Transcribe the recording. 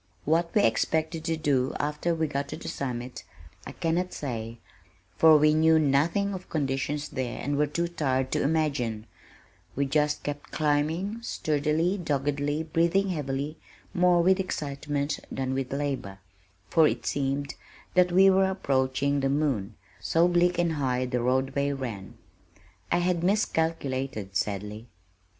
What we expected to do after we got to the summit, I cannot say, for we knew nothing of conditions there and were too tired to imagine we just kept climbing, sturdily, doggedly, breathing heavily, more with excitement than with labor, for it seemed that we were approaching the moon, so bleak and high the roadway ran. I had miscalculated sadly.